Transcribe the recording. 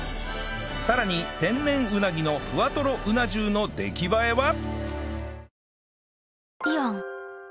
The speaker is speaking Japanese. さらに天然うなぎのふわとろうな重の出来栄えは！？